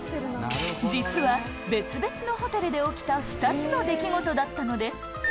実は別々のホテルで起きた２つの出来事だったのです。